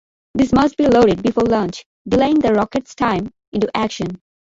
These must be loaded before launch, delaying the rocket's time into action.